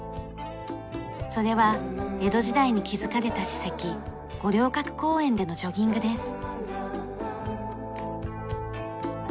それは江戸時代に築かれた史跡五稜郭公園でのジョギングです。